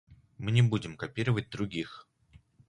Мы не будем копировать других.